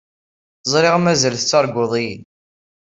Ẓriɣ mazal tettarguḍ-iyi.